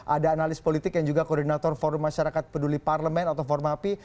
ada analis politik yang juga koordinator forum masyarakat peduli parlemen atau formapi